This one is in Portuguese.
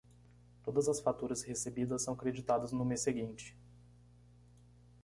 Todas as faturas recebidas são creditadas no mês seguinte.